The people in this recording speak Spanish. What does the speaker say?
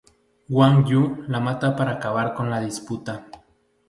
Guan Yu la mata para acabar con la disputa.